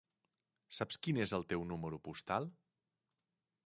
Saps quin és el teu número postal?